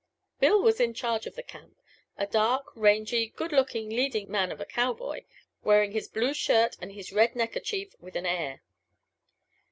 ... Bill was in charge of the camp a dark, rangy, good looking leading man of a cowboy, wearing his blue shirt and his red neckerchief with an air.